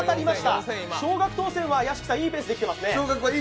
少額当選はいいペースで来ていますね。